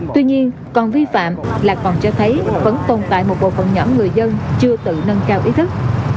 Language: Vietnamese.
tuy nhiên còn vi phạm là còn cho thấy vẫn tồn tại một bộ phần nhỏ người dân chưa tự nâng cao ý thức